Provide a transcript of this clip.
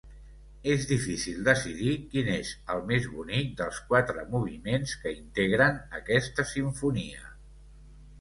És difícil decidir quin és el més bonic dels quatre moviments que integren aquesta Simfonia.